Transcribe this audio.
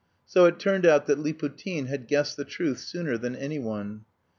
So it turned out that Liputin had guessed the truth sooner than any one.